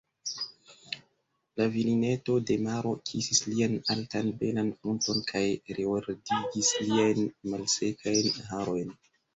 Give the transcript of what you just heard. La virineto de maro kisis lian altan belan frunton kaj reordigis liajn malsekajn harojn.